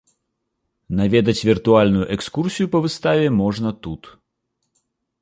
Наведаць віртуальную экскурсію па выставе можна тут.